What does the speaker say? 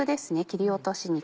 切り落とし肉。